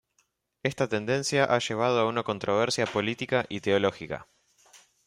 Esta tendencia ha llevado a una controversia política y teológica.